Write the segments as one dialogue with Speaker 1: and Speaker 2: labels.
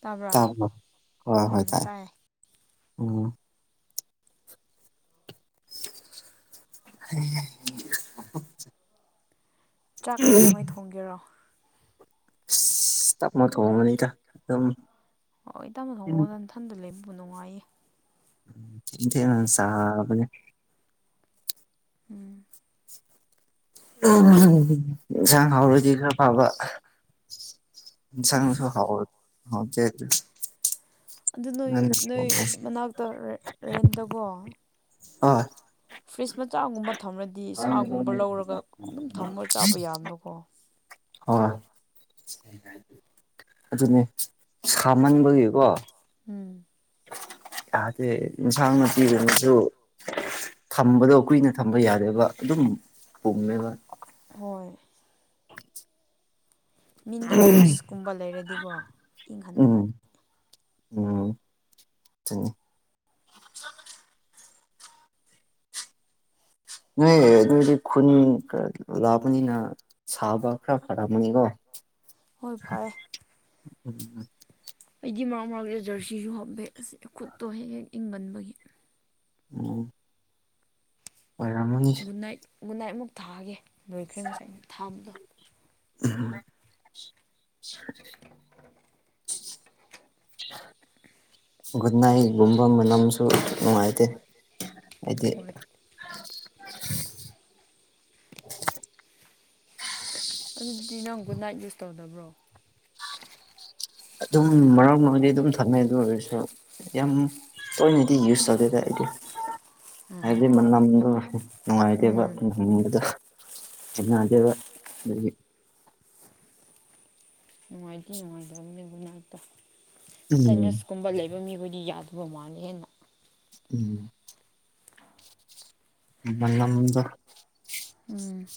Speaker 1: ꯇꯥꯕ꯭ꯔꯥ
Speaker 2: ꯇꯕꯔꯣ ꯍꯣꯏ ꯍꯣꯏ
Speaker 1: ꯎꯝ
Speaker 2: ꯇꯥꯏ
Speaker 1: ꯇꯥꯏꯌꯦ
Speaker 2: ꯎꯝ [unintelligible]
Speaker 1: ꯆꯥꯛ
Speaker 2: ꯑꯁ
Speaker 1: ꯀꯩꯗꯧꯉꯩ ꯊꯣꯡꯒꯦꯔꯣ
Speaker 2: [unintelligible] ꯊꯣꯡꯕꯅꯤꯗ ꯑꯗꯨꯝ
Speaker 1: ꯍꯣꯏ ꯇꯥꯝꯃꯣ
Speaker 2: ꯊꯦꯡ
Speaker 1: ꯊꯣꯡꯉꯣꯟꯗ ꯏꯊꯟꯗ ꯂꯩꯕꯕꯨ ꯅꯨꯡꯉꯥꯏꯌꯦ
Speaker 2: ꯏꯗꯦꯟ ꯆꯥꯕꯕꯅꯤ
Speaker 1: ꯎꯝ
Speaker 2: ꯏꯟꯁꯥꯡ ꯍꯥꯎꯔꯗꯤ ꯈꯔ ꯐꯕ ꯏꯟꯁꯥꯡꯁꯨꯣ ꯍꯥꯎ ꯍꯥꯎꯇꯦ
Speaker 1: ꯑꯗꯨ ꯅꯣꯏ
Speaker 2: ꯅꯪꯅ
Speaker 1: ꯅꯣꯏ
Speaker 2: ꯊꯣꯡꯉꯁꯤ
Speaker 1: ꯃꯅꯥꯛꯇ ꯔꯦꯟꯗꯕꯣ
Speaker 2: ꯑꯥ
Speaker 1: ꯐ꯭ꯔꯤꯖ ꯃꯆꯥꯒꯨꯝꯕ ꯊꯝꯃꯔꯗꯤ ꯁꯥꯒꯨꯝꯕ ꯂꯧꯔꯒ ꯑꯗꯨꯝ ꯊꯝꯃꯒ ꯆꯥꯕ ꯌꯥꯕꯀꯣ
Speaker 2: ꯑꯥ ꯑꯗꯨꯅꯦ ꯁꯥꯃꯟꯕꯒꯤꯀꯣ
Speaker 1: ꯎꯝ
Speaker 2: ꯌꯥꯗꯦ ꯏꯟꯁꯥꯡ ꯅꯥꯄꯤꯕꯅꯤ ꯑꯗꯨ ꯊꯝꯕꯗꯣ ꯀꯨꯏꯅ ꯊꯝꯕ ꯌꯥꯔꯦꯕ ꯑꯗꯨꯝ ꯄꯨꯝꯃꯦꯕ
Speaker 1: ꯍꯣꯏ ꯃꯤꯅꯤ ꯐ꯭ꯔꯤꯖꯀꯨꯝꯕ ꯂꯩꯔꯗꯤꯀꯣ ꯏꯪꯍꯟꯅꯤꯡꯉꯥꯏ
Speaker 2: ꯎꯝ ꯎꯝ ꯑꯗꯨꯅꯤ ꯅꯣꯏ ꯑꯗꯨꯗꯤ ꯈꯨꯟ ꯂꯄꯅꯤꯅ ꯁꯥꯕ ꯈ꯭ꯔ ꯐꯔꯞꯅꯤꯀꯣ
Speaker 1: ꯍꯣꯏ ꯐꯔꯦ
Speaker 2: ꯎꯝ
Speaker 1: ꯑꯩꯗꯤ ꯃꯔꯛ ꯃꯔꯛꯇ ꯖꯔꯁꯤꯁꯨ ꯍꯥꯄꯦ ꯑꯁꯤ ꯈꯨꯠꯇꯣ ꯍꯦꯛ ꯍꯦꯛ ꯏꯪꯒꯟꯕꯒꯤ
Speaker 2: ꯎꯝ ꯑꯣꯏꯔꯝꯃꯅꯤ
Speaker 1: ꯒꯨꯠꯅꯥꯏꯠ ꯒꯨꯠꯅꯥꯏꯠ ꯑꯃꯨꯛ ꯊꯥꯑꯒꯦ ꯂꯣꯏꯈ꯭ꯔꯦ ꯉꯁꯥꯏ ꯑ ꯊꯥꯕꯗꯣ
Speaker 2: ꯎꯝ
Speaker 1: [unintelligible]
Speaker 2: ꯒꯨꯠꯅꯥꯏꯠꯒꯨꯝꯕ ꯃꯅꯝꯁꯨ ꯅꯨꯡꯉꯥꯏꯇꯦ ꯍꯥꯏꯗꯤ
Speaker 1: ꯍꯣꯏ ꯑꯗꯨꯗꯤ ꯅꯪ ꯒꯨꯠꯅꯥꯏꯠ ꯌꯨꯁ ꯇꯧꯗꯕ꯭ꯔꯣ
Speaker 2: ꯑꯗꯨꯝ ꯃꯔꯛ ꯃꯔꯛꯗꯤ ꯑꯗꯨꯝ ꯊꯝꯅꯩ ꯑꯗꯨ ꯑꯣꯏꯔꯁꯨ ꯌꯥꯝ ꯇꯣꯏꯅꯗꯤ ꯌꯨꯁ ꯇꯧꯗꯦꯗ ꯑꯩꯗꯤ ꯍꯥꯏꯗꯤ ꯃꯅꯝꯗꯣ ꯅꯨꯡꯉꯥꯏꯇꯦꯕ
Speaker 1: ꯎꯝ
Speaker 2: ꯅꯝꯕꯗꯣ ꯈ‌ꯦꯠꯅꯗꯦꯕ ꯑꯗꯨꯒꯤ
Speaker 1: ꯅꯨꯡꯉꯥꯏꯇ ꯅꯨꯡꯉꯥꯏꯇꯕꯅꯦꯕ ꯒꯨꯠꯅꯥꯏꯇ
Speaker 2: ꯎꯝ
Speaker 1: ꯅꯦꯁ ꯀꯨꯝꯕ ꯂꯩꯕ ꯃꯤꯕꯨꯗꯤ ꯌꯥꯗꯕ ꯃꯂꯦ ꯍꯦꯟꯅ
Speaker 2: ꯎꯝ ꯃꯅꯝꯗ‌ꯣ
Speaker 1: ꯎꯝ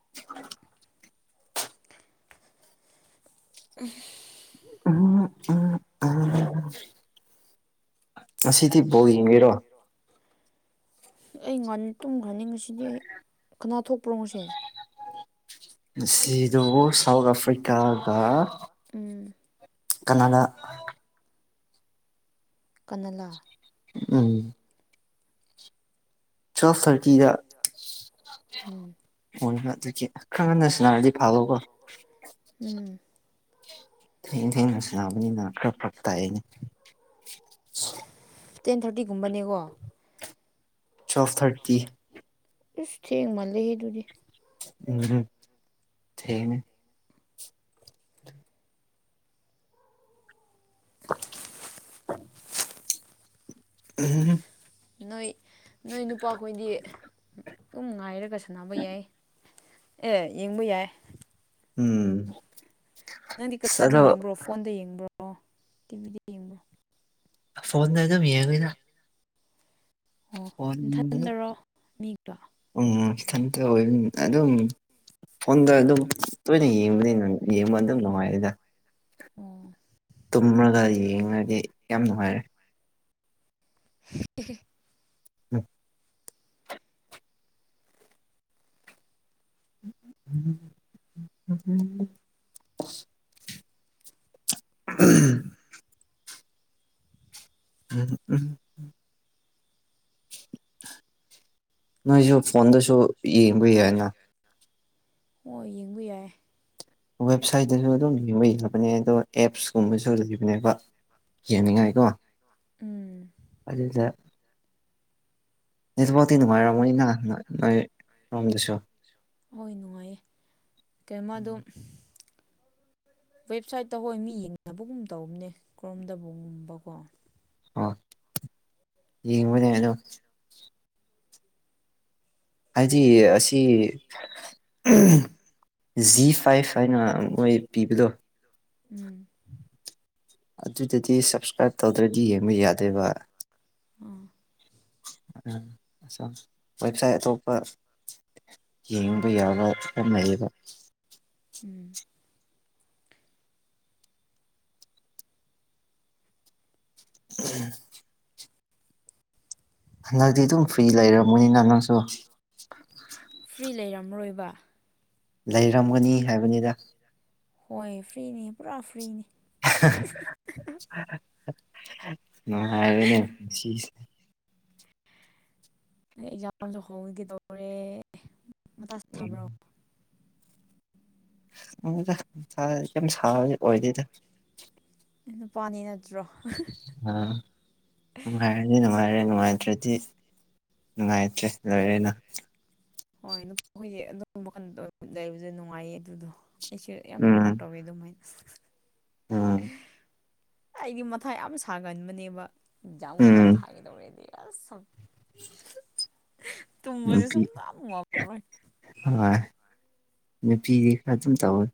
Speaker 2: [unintelligible] [unintelligible] ꯑꯁꯤꯗꯤ ꯕꯥꯜ ꯌꯦꯡꯒ‌ꯦꯔꯣ
Speaker 1: ꯑꯩ ꯉ ꯇꯨꯝ ꯈꯅꯤꯡꯉꯁꯤꯗꯤ ꯑꯩ ꯀꯅꯥ ꯊꯣꯛꯄ꯭ꯔꯣ ꯉꯁꯤ
Speaker 2: ꯉꯁꯤꯗꯨ ꯁꯥꯎꯠ ꯑꯐ꯭ꯔꯤꯀꯥꯒ
Speaker 1: ꯎꯝ
Speaker 2: ꯀꯅꯥꯗꯥ
Speaker 1: ꯀꯅꯥꯂ
Speaker 2: ꯎꯝ ꯇꯋ‌ꯦꯜꯐ ꯊꯔꯇꯤꯗ
Speaker 1: ꯎꯝ
Speaker 2: ꯑꯣꯏ ꯑꯗꯨꯒꯤ ꯈꯔ ꯉꯟꯅꯁꯨꯟꯅꯔꯗꯤ ꯐꯥꯕꯀꯣ
Speaker 1: ꯎꯝ
Speaker 2: ꯊꯦꯡ ꯊꯦꯡꯅ ꯁꯥꯕꯅꯤꯅꯅꯥ ꯈꯔ ꯄꯛ ꯇꯥꯏꯅꯦ
Speaker 1: ꯇꯦꯟ ꯊꯥꯔꯇꯤꯒꯨꯝꯕꯅꯦꯀꯣ
Speaker 2: ꯇ꯭ꯋꯦꯜꯞꯐ ꯊꯥꯔꯇꯤ
Speaker 1: ꯏꯁꯁ ꯊꯦꯡꯃꯜꯂꯤꯍ‌ꯦ ꯑꯗꯨꯗꯤ
Speaker 2: ꯎꯝ ꯊ‌ꯦꯡꯉ‌ꯦ [unintelligible]
Speaker 1: ꯅꯣꯏ ꯅꯣꯏ ꯅꯨꯄꯥꯈꯣꯏꯗꯤ ꯑꯗꯨꯝ ꯉꯥꯏꯔꯒ ꯁꯥꯟꯅꯕ ꯌꯥꯏꯌꯦ ꯑꯦ ꯌꯦꯡꯕ ꯌꯥꯏ
Speaker 2: ꯎꯝ
Speaker 1: ꯅꯪꯗꯤ
Speaker 2: ꯑꯁ
Speaker 1: ꯀꯅꯥꯗ
Speaker 2: ꯑꯗꯣ
Speaker 1: ꯌꯦꯡꯕ꯭ꯔꯣ ꯐꯣꯟꯗ ꯌꯦꯡꯕ꯭ꯔꯣ ꯇꯤꯚꯤꯗ ꯌꯦꯡꯕ꯭ꯔꯣ
Speaker 2: ꯐꯣꯟꯗ ꯑꯗꯨꯝ ꯌꯦꯡꯉꯦꯅ
Speaker 1: ꯑꯣ
Speaker 2: ꯐꯣꯟꯗ
Speaker 1: ꯅꯊꯟꯗꯔꯣ ꯃꯤꯒ
Speaker 2: ꯎꯝ ꯏꯊꯟꯇ ꯑꯣꯏ ꯑꯗꯨꯝ ꯐꯣꯟꯗ ꯑꯗꯨꯝ ꯇꯣꯏꯅ ꯌꯦꯡꯕꯅꯤꯅ ꯌꯦꯡꯕ ꯑꯗꯨꯝ ꯅꯨꯡꯉꯥꯏꯗ
Speaker 1: ꯑꯣ
Speaker 2: ꯇꯨꯝꯃꯔꯒ ꯌꯦꯡꯉꯗꯤ ꯌꯥꯝ ꯅꯨꯡꯉꯥꯏꯔꯦ
Speaker 1: [unintelligible]
Speaker 2: [inaudible] [inaudible] [unintelligible] ꯎꯝ ꯅꯣꯏꯖꯨ ꯐꯣꯟꯗꯁꯨ ꯌꯦꯡꯕ ꯌꯥꯏꯅ
Speaker 1: ꯍꯣꯏ ꯌꯦꯡꯕ ꯌꯥꯏ
Speaker 2: ꯋꯦꯕꯁꯥꯏꯠꯇꯁꯨ ꯑꯗꯨꯝ ꯌꯦꯡꯕ ꯌꯥꯕꯅꯦ ꯑꯗꯣ ꯑꯦꯞꯁꯀꯨꯝꯕꯁꯨ ꯂꯩꯕꯅꯦꯕ ꯌꯦꯡꯅꯤꯡꯉꯥꯏ ꯀꯣ
Speaker 1: ꯎꯝ
Speaker 2: ꯑꯗꯨꯗ ꯅꯦꯠꯐꯇꯤ ꯅꯨꯡꯉꯥꯏꯔꯝꯃꯅꯤꯅ ꯅꯣꯏꯔꯣꯝꯗꯁꯨ
Speaker 1: ꯍꯣꯏ ꯅꯨꯡꯉꯥꯏꯌꯦ ꯀꯩ ꯃꯥꯗꯣ ꯋꯦꯕꯁꯥꯏꯠꯇ ꯍꯣꯏ ꯃꯤ ꯌꯦꯡꯅꯕꯒꯨꯝ ꯇꯧꯕꯅꯦ ꯀꯔꯝꯗꯕꯒꯨꯝꯕꯀꯣ
Speaker 2: ꯑꯣ ꯌꯦꯡꯉꯕꯅꯦ ꯍꯥꯏꯗꯤ ꯑꯁꯤ ꯖꯤ ꯐꯥꯏꯚ ꯍꯥꯏꯅ ꯃꯣꯏ ꯄꯤꯕꯗꯣ
Speaker 1: ꯎꯝ
Speaker 2: ꯑꯗꯨꯗꯗꯤ ꯁꯞꯁꯀ꯭ꯔꯥꯏꯞ ꯇꯧꯗ꯭ꯔꯗꯤ ꯌꯦꯡꯕ ꯌꯥꯗꯦꯏꯕ
Speaker 1: ꯑꯥ
Speaker 2: ꯎꯝ ꯋꯦꯞꯁꯥꯏ ꯑꯇꯣꯞꯄ ꯌꯦꯡꯕ ꯌꯥꯕ ꯌꯥꯝ ꯂꯩꯌꯦꯕ
Speaker 1: ꯎꯝ
Speaker 2: [unintelligible] ꯍꯟꯗꯛꯗꯤ ꯑꯗꯨꯝ ꯐ꯭ꯔꯤ ꯂꯩꯔꯝꯃꯃꯣꯏꯅ ꯅꯪꯁꯨ
Speaker 1: ꯐ꯭ꯔꯤ ꯂꯩꯔꯝꯔꯣꯏꯕ
Speaker 2: ꯂꯩꯔꯝꯒꯅꯤ ꯍꯥꯏꯕꯅꯤꯗ
Speaker 1: ꯍꯣꯏ ꯐ꯭ꯔꯤꯅꯤ ꯄꯨꯔꯥ ꯐ꯭ꯔꯤꯅꯤ
Speaker 2: ꯉꯉꯥꯏꯔꯅꯦ ꯄꯨꯟꯁꯤꯁꯦ
Speaker 1: ꯑꯦꯛꯖꯥꯝꯁꯨ ꯍꯧꯋꯤꯒꯦꯗꯧꯔꯦ ꯃꯇꯥ ꯁꯥꯕ꯭ꯔꯣ
Speaker 2: ꯃꯊꯥ ꯀꯩꯌꯝ ꯁꯥꯕꯗꯤ ꯑꯣꯏꯗꯦꯗ
Speaker 1: ꯅꯨꯄꯥꯅꯤ ꯅꯠꯇ꯭ꯔꯣ
Speaker 2: ꯎ ꯅꯨꯡꯉꯥꯏꯔꯅꯤ ꯅꯨꯡꯉꯥꯏꯔꯦ ꯅꯨꯡꯉꯥꯏꯇ꯭ꯔꯗꯤ ꯅꯨꯡꯉꯥꯏꯇ꯭ꯔꯦ ꯂꯣꯏꯔꯅ
Speaker 1: ꯍꯣꯏ [unintelligible] ꯑꯗꯨꯝꯕ ꯃꯈꯟꯗ ꯂꯩꯕꯁꯦ ꯅꯨꯡꯉꯥꯏꯌꯦ ꯑꯗꯨꯗꯣ
Speaker 2: ꯎꯝ
Speaker 1: [unintelligible]
Speaker 2: ꯎꯝ
Speaker 1: ꯑꯩꯗꯤ ꯃꯊꯥ ꯌꯥꯝ ꯁꯥꯒꯟꯕꯅꯦꯕ꯫ ꯑꯦꯛꯖꯥꯝꯒꯨꯝꯕ ꯊꯥꯒꯗꯧꯔꯦꯗꯤ ꯑꯁ
Speaker 2: ꯎ
Speaker 1: ꯇꯨꯝꯕꯁꯨ ꯁꯨꯡꯉꯝ ꯉꯝꯔꯣꯏ꯫
Speaker 2: ꯍꯣꯏ ꯅꯨꯄꯤꯗꯤ ꯈꯔ ꯑꯗꯨꯝ ꯇꯧꯋꯦ꯫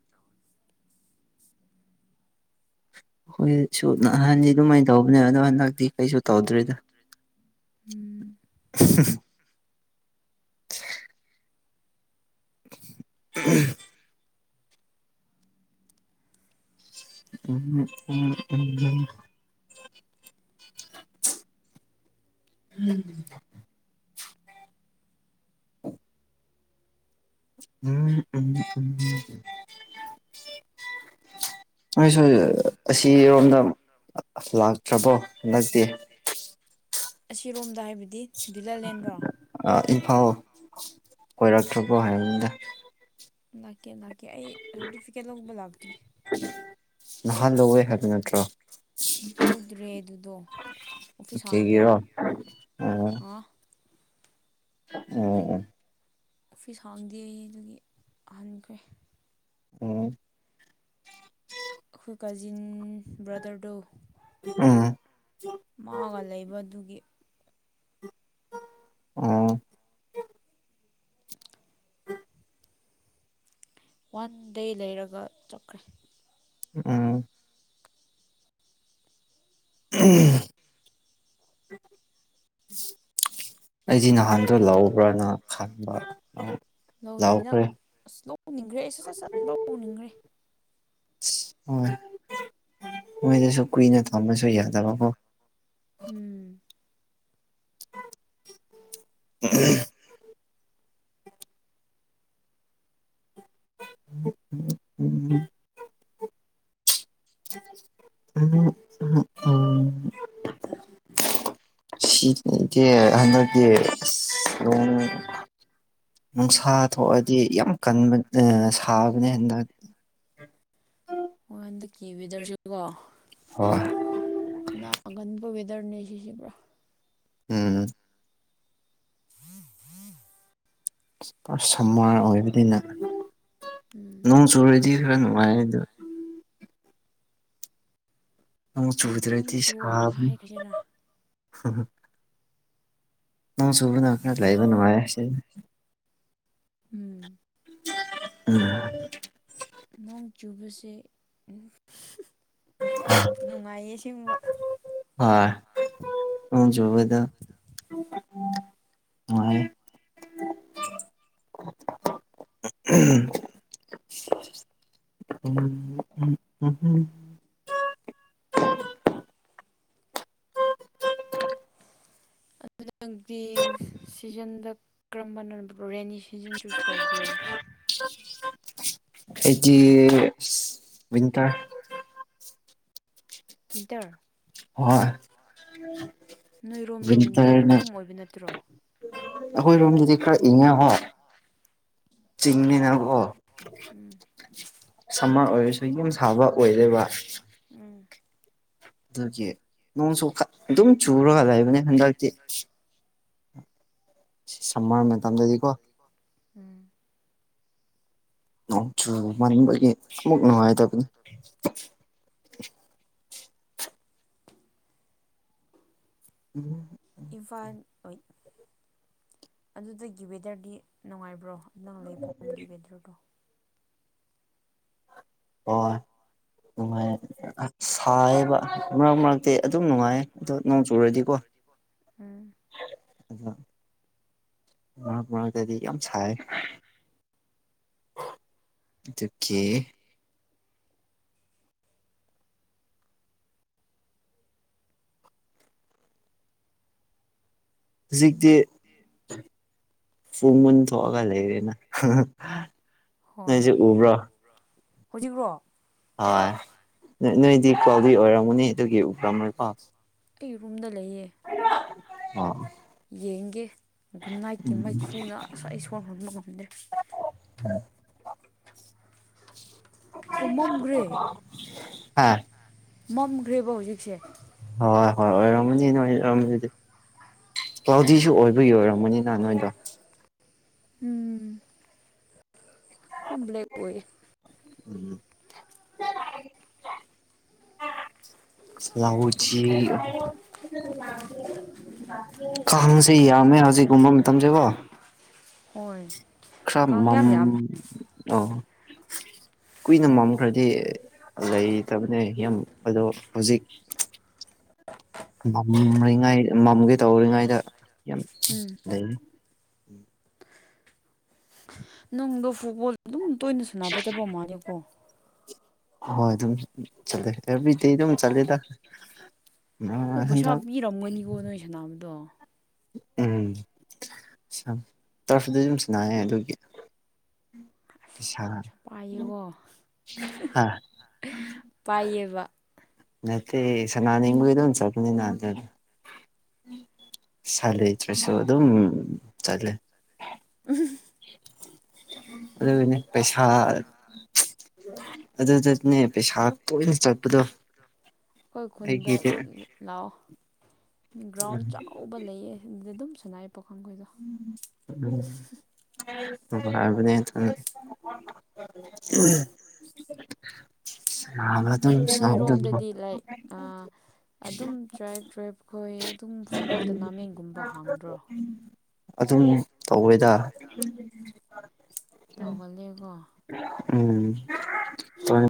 Speaker 2: ꯑꯩꯈꯣꯏꯁꯨ ꯅꯍꯥꯟꯗꯤ ꯑꯗꯨꯃꯥꯏꯅ ꯇꯧꯕꯅꯦ ꯑꯗꯣ ꯍꯟꯗꯛꯇꯤ ꯀꯩꯁꯨ ꯇꯧꯗ꯭ꯔꯦꯗ꯫
Speaker 1: ꯎꯝ꯫
Speaker 2: [unintelligible] [unintelligible] [unintelligible] [inaudible] [unintelligible] ꯎꯝ ꯎꯝ ꯎꯝ꯫ ꯅꯣꯏꯁꯨ ꯑꯁꯤꯔꯣꯝꯗ ꯂꯥꯛꯇ꯭ꯔꯕꯣ ꯍꯟꯗꯛꯇꯤ꯫
Speaker 1: ꯑꯁꯤꯔꯣꯝꯗ ꯍꯥꯏꯕꯗꯤ꯫ ꯚꯤꯂꯔꯂꯦꯟꯔꯣ
Speaker 2: ꯑ ꯏꯝꯐꯥꯜ ꯀꯣꯏꯔꯛꯇ꯭ꯔꯕꯣ ꯍꯥꯏꯕꯅꯤꯗ꯫
Speaker 1: ꯂꯥꯛꯀꯦ ꯂꯥꯛꯀꯦ ꯑꯩ ꯁꯥꯔꯇꯤꯐꯤꯀꯦꯠ ꯂꯧꯕ ꯂꯥꯛꯇ꯭ꯔꯤ꯫
Speaker 2: ꯅꯍꯥꯟ ꯂꯧꯋꯦ ꯍꯥꯏꯕ ꯅꯠꯇ꯭ꯔꯣ꯫
Speaker 1: ꯂꯧꯗ꯭ꯔꯦ ꯑꯗꯨꯗꯣ ꯑꯣꯐꯤꯁ ꯍꯥꯡꯗꯦ
Speaker 2: ꯀꯦꯒꯤꯔꯣ
Speaker 1: ꯑ꯫
Speaker 2: ꯑꯣ ꯑꯣ꯫
Speaker 1: ꯑꯣꯐꯤꯁ ꯍꯥꯡꯗꯦ ꯑꯗꯨꯒꯤ ꯍꯟꯈ꯭ꯔꯦ꯫
Speaker 2: ꯑꯣ꯫
Speaker 1: ꯑꯩꯈꯣꯏ ꯀꯖꯤꯟ ꯕ꯭ꯔꯗꯔꯗꯣ꯫
Speaker 2: ꯎꯝ
Speaker 1: ꯃꯥꯒ ꯂꯩꯕ ꯑꯗꯨꯒꯤ꯫
Speaker 2: ꯑꯣ꯫
Speaker 1: [inaudible] ꯋꯥꯟ ꯗꯦ ꯂꯩꯔꯒ ꯆꯠꯀꯦ꯫
Speaker 2: ꯎꯝ꯫ [unintelligible] ꯑꯩꯗꯤ ꯅꯍꯥꯟꯗꯣ ꯂꯧꯕ꯭ꯔꯅ ꯈꯟꯕ꯫
Speaker 1: ꯂꯧꯗ꯭ꯔꯤꯗ
Speaker 2: ꯂꯧꯈ꯭ꯔꯦ
Speaker 1: ꯑꯁ ꯂꯧꯅꯤꯡꯈ꯭ꯔꯦ ꯑꯩ ꯁꯠ ꯁꯠ ꯁꯠ ꯂꯧꯅꯤꯡꯈ꯭ꯔꯦ꯫
Speaker 2: ꯑꯁ ꯍꯣꯏ ꯃꯣꯏꯗꯁꯨ ꯀꯨꯏꯅ ꯊꯝꯕꯁꯨ ꯌꯥꯗꯕꯀꯣ꯫
Speaker 1: ꯎꯝ꯫
Speaker 2: [unintelligible]
Speaker 1: [unintelligible]
Speaker 2: [unintelligible] [inaudible] [unintelligible] [unintelligible] ꯁꯤꯗꯤ ꯍꯟꯗꯛꯇꯤ ꯑꯁ ꯅꯣꯡ ꯅꯨꯡꯁꯥ ꯊꯥ ꯊꯣꯛꯑꯗꯤ ꯌꯥꯝ ꯀꯟꯕ ꯑ ꯁꯥꯕꯅꯦ ꯍꯟꯗꯛ꯫
Speaker 1: ꯑꯣ ꯍꯟꯗꯛꯀꯤ ꯋꯦꯗꯔꯁꯤꯀꯣ꯫
Speaker 2: ꯍꯣꯏ꯫
Speaker 1: ꯅꯥꯒꯟꯕ ꯋꯦꯗꯔꯅꯦ ꯁꯤꯁꯦ ꯄꯨꯔꯥ꯫
Speaker 2: ꯎꯝ꯫
Speaker 1: [unintelligible]
Speaker 2: ꯄꯨꯔꯥ ꯁꯝꯃꯔ ꯑꯣꯏꯕꯅꯤꯅ
Speaker 1: ꯎꯝ
Speaker 2: ꯅꯣꯡ ꯆꯨꯨꯔꯗꯤ ꯈꯔ ꯅꯨꯡꯉꯥꯏ ꯑꯗꯨ ꯅꯣꯡ
Speaker 1: ꯅꯣꯡ
Speaker 2: ꯆꯨꯗ꯭ꯔꯗꯤ
Speaker 1: ꯆꯨꯑꯣ
Speaker 2: ꯁꯥꯕꯅꯤ
Speaker 1: ꯍꯥꯏꯈ꯭ꯔꯁꯤꯔꯥ
Speaker 2: ꯅꯣꯡ ꯆꯨꯕꯅ ꯈꯔ ꯂꯩꯕ ꯅꯨꯡꯉꯥꯏꯌꯦ ꯁꯤꯗꯗꯤ
Speaker 1: ꯎꯝ
Speaker 2: [unintelligible]
Speaker 1: ꯅꯣꯡ ꯆꯨꯕꯁꯦ ꯅꯨꯡꯉꯥꯏꯌꯦ ꯑꯁꯦꯡꯕ
Speaker 2: ꯍꯣꯏ ꯅꯣꯡ ꯆꯨꯕꯗ ꯅꯨꯡꯉꯥꯏꯌꯦ [unintelligible]
Speaker 1: [inaudible]
Speaker 2: [unintelligible]
Speaker 1: ꯑꯗꯨꯗꯤ ꯅꯪꯗꯤ ꯁꯤꯖꯟꯗ ꯀꯔꯝꯕꯅ ꯔꯦꯅꯤꯁꯤ ꯁꯤꯖꯟ ꯆꯨꯁ ꯇꯧꯕ꯭ꯔꯣ
Speaker 2: ꯑꯩꯗꯤ ꯑꯁ ꯋꯤꯟꯇꯔ
Speaker 1: ꯋꯤꯟꯇꯔ
Speaker 2: ꯍꯣꯏ
Speaker 1: ꯅꯣꯏꯔꯣꯝꯗꯣ ꯋꯤꯟꯇꯔ
Speaker 2: ꯋꯤꯟꯇꯔꯅ
Speaker 1: ꯑꯗꯨꯝ ꯑꯣꯏꯕ ꯅꯠꯇ꯭ꯔꯣ
Speaker 2: ꯑꯩꯈꯣꯏꯔꯣꯝꯗꯗꯤ ꯈꯔ ꯏꯪꯉꯦ ꯍꯣꯏ ꯆꯤꯡꯅꯤꯅ ꯀꯣ
Speaker 1: ꯎꯝ ꯁꯝꯃꯔ ꯑꯣꯏꯔꯁꯨ ꯌꯨꯝ ꯁꯥꯕ ꯑꯣꯏꯔꯦꯕ ꯎꯝ
Speaker 2: ꯑꯗꯨꯒꯤ ꯅꯣꯡꯁꯨ ꯈꯠ ꯑꯗꯨꯝ ꯆꯨꯔꯒ ꯂꯩꯕꯅꯦ ꯍꯟꯗꯛꯇꯤ ꯁꯤ ꯁꯝꯃꯔ ꯅꯦ
Speaker 1: [unintelligible] ꯎꯝ
Speaker 2: ꯅꯣꯡ ꯆꯨꯃꯟꯕꯒꯤ ꯑꯃꯨꯛ ꯅꯨꯡꯉꯥꯏꯇꯕꯅꯤ [unintelligible]
Speaker 1: ꯏꯝꯐꯥꯟ ꯑꯣꯏꯠ ꯑꯗꯨꯗꯒꯤ ꯋꯦꯗꯔꯗꯤ ꯅꯨꯡꯉꯥꯏꯕ꯭ꯔꯣ ꯅꯪ ꯂꯩꯐꯝꯒꯤ ꯋꯦꯗꯔꯗꯣ
Speaker 2: ꯍꯣꯏ ꯅꯨꯡꯉꯥꯏꯌꯦ ꯑ ꯑꯁ ꯁꯥꯏꯌꯦꯕ ꯃꯔꯛ ꯃꯔꯛꯇꯤ ꯑꯗꯨꯝ ꯅꯨꯡꯉꯥꯏꯌꯦ ꯑꯗꯣ ꯅꯣꯡ ꯆꯨꯔꯗꯤꯀꯣ
Speaker 1: ꯎꯝ
Speaker 2: ꯑꯗꯣ ꯃꯔꯛ ꯃꯔꯛꯇꯗꯤ ꯌꯥꯝ ꯁꯥꯏꯌꯦ
Speaker 1: [inaudible]
Speaker 2: ꯑꯗꯨꯒꯤ ꯍꯨꯖꯤꯛꯇꯤ ꯐꯣꯡꯃꯟ ꯊꯣꯛꯑꯒ ꯂꯩꯔꯦꯅ ꯅꯣꯏꯖꯨ ꯎꯕ꯭ꯔꯣ
Speaker 1: ꯍꯣꯖꯤꯛꯔꯣ
Speaker 2: ꯍꯣꯏ ꯅꯣꯏ ꯅꯣꯏꯗꯤ ꯀ꯭ꯂꯥꯎꯗꯤ ꯑꯣꯏꯔꯝꯒꯅꯤ ꯑꯗꯨꯒꯤ ꯎꯔꯝꯔꯣꯏꯀꯣ
Speaker 1: ꯑꯩ ꯔꯨꯝꯗ ꯂꯩꯌꯦ
Speaker 2: ꯑꯣ
Speaker 1: ꯌꯦꯡꯒꯦ ꯒꯨꯟꯅꯥꯏꯠꯀꯤ ꯃꯩꯈꯨꯅ ꯑꯁ ꯑꯩ ꯁꯣꯔ ꯍꯣꯟꯕ ꯉꯝꯗꯦ ꯑꯣ ꯃꯝꯒ꯭ꯔꯦ
Speaker 2: ꯍꯥ
Speaker 1: ꯃꯝꯒ꯭ꯔꯦꯕ ꯍꯧꯖꯤꯛꯁꯦ
Speaker 2: ꯍꯣꯏ ꯍꯣꯏ ꯑꯣꯏꯔꯝꯒꯅꯤ ꯅꯣꯏꯔꯣꯝꯗꯗꯤ ꯀ꯭ꯂꯥꯎꯗꯤꯁꯨ ꯑꯣꯏꯕꯩ ꯑꯣꯏꯔꯝꯒꯅꯤꯅ ꯅꯣꯏꯗꯣ
Speaker 1: ꯎꯝ ꯑꯝ ꯕ꯭ꯂꯦꯛ ꯑꯣꯏꯌꯦ
Speaker 2: ꯎꯝ [unintelligible] [unintelligible] ꯀꯥꯡꯖꯦ ꯌꯥꯝꯃꯦ ꯍꯧꯖꯤꯛꯀꯨꯝꯕ ꯃꯇꯝꯁꯦꯀꯣ
Speaker 1: ꯍꯣꯏ
Speaker 2: ꯈꯔ
Speaker 1: ꯀꯥꯡ
Speaker 2: ꯃꯝ
Speaker 1: ꯌꯥꯝ ꯌꯥꯝꯃꯦ
Speaker 2: ꯑꯥ ꯀꯨꯏꯅ ꯃꯝꯈ꯭ꯔꯗꯤ ꯂꯩꯇꯕꯅꯦ ꯌꯥꯝ ꯑꯗꯣ ꯍꯧꯖꯤꯛ ꯃꯝꯔꯤꯉꯥꯏ ꯃꯝꯒꯦ ꯇꯧꯔꯤꯉꯩꯗ ꯌꯥꯝ
Speaker 1: ꯎꯝ
Speaker 2: ꯂꯩ
Speaker 1: ꯅꯪꯗꯣ ꯐꯨꯠꯕꯣꯜ ꯑꯗꯨꯝ ꯇꯣꯏꯅ ꯁꯥꯟꯅꯕ ꯆꯠꯄꯥ ꯃꯥꯜꯂ‌ꯦꯀꯣ
Speaker 2: ꯍꯣꯏ ꯑꯗꯨꯝ ꯆꯠꯂꯦ ꯑꯦꯕ꯭ꯔꯤꯗꯦ ꯑꯗꯨꯝ ꯆꯠꯂꯦꯗ
Speaker 1: ꯑꯗꫭ ꯄꯩꯁꯥ
Speaker 2: ꯍꯟꯗꯛ
Speaker 1: ꯄꯤꯔꯝꯒꯅꯤꯀꯣ ꯅꯣꯏ ꯁꯅꯥꯕꯗꯣ
Speaker 2: ꯎꯝ ꯁꯝ ꯇꯔꯐꯗ ꯑꯗꯨꯨꯝ ꯁꯟꯅꯌꯦ ꯑꯗꯨꯒꯤ
Speaker 1: ꯄꯩꯁꯥ ꯄꯥꯏꯌꯦꯀꯣ
Speaker 2: ꯍꯥ
Speaker 1: ꯄꯥꯏꯌꯦꯕ
Speaker 2: ꯅꯠꯇ‌ꯦ ꯁꯥꯟꯅꯤꯡꯕꯒꯤ ꯑꯗꯨꯝ ꯆꯠꯄꯅꯤꯅꯥ ꯑꯗꯨꯒꯤ ꯄꯩꯁꯥ ꯂꯩꯇ꯭ꯔꯁꯨ ꯑꯗꯨꯝ ꯆꯠꯂꯦ
Speaker 1: ꯎꯝ
Speaker 2: ꯑꯗꯨꯒꯤꯅꯤ ꯄꯩꯁꯥ ꯑꯗꯨꯖꯨ ꯅꯦ ꯄꯩꯁꯥ ꯇꯣꯏꯅ ꯆꯠꯄꯗꯣ
Speaker 1: ꯑꯩꯈꯣꯏ ꯈꯨꯟꯗ
Speaker 2: ꯑꯩꯒꯤꯗꯤ
Speaker 1: ꯂꯥꯛꯑꯣ ꯒ꯭ꯔꯥꯎꯟ ꯆꯥꯎꯕ ꯂꯩꯌꯦ ꯑꯗꯨꯗ ꯑꯗꯨꯝ ꯁꯟꯅꯥꯏꯌ‌ꯦ ꯄꯥꯈꯪ ꯈꯣꯏꯗꯣ
Speaker 2: ꯅꯨꯡꯉꯥꯏꯕꯅꯦ ꯑꯗꯨꯝ ꯅꯍꯥꯟ ꯑꯗꯨꯝ ꯁꯥꯟꯅꯍꯧꯗꯕꯗꫭ
Speaker 1: ꯑꯥꯑꯗꯨꯝ ꯇ꯭ꯔꯥꯏꯞ ꯇ꯭ꯔꯥꯏꯞꯈꯣꯏ ꯑꯗꯨꯝ ꯐꯨꯠꯕꯣꯜ ꯇꯣꯔꯅꯥꯃꯦꯟꯒꯨꯝꯕ ꯍꯥꯡꯗ꯭ꯔꯣ
Speaker 2: ꯑꯗꯨꯝ ꯇꯧꯋꯦꯗ
Speaker 1: ꯇꯧꯒꯜꯂ‌ꯦꯀꯣ
Speaker 2: ꯎꯝ